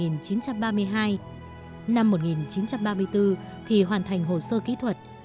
năm một nghìn chín trăm ba mươi bốn thì hoàn thành hồ sơ kỹ thuật